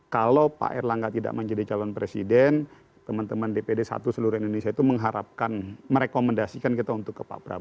kalau pak erlangga tidak menjadi calon presiden teman teman dpd satu seluruh indonesia itu mengharapkan merekomendasikan kita untuk ke pak prabowo